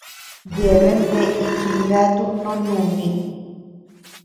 Yeabean bea itjingatu noo nùni.